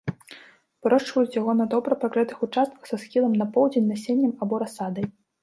Вырошчваюць яго на добра прагрэтых участках са схілам на поўдзень насеннем або расадай.